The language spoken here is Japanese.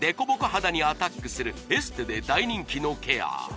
肌にアタックするエステで大人気のケア